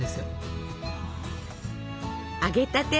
揚げたて